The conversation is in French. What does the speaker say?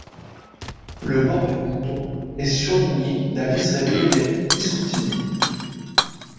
Le bord du manteau est surligné d'un liseré violet discontinu.